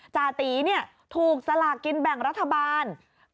จติเนี่ยถูกสลากกินแบ่งรัฐบาล